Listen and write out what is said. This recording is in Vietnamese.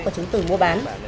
và chứng từ mua bán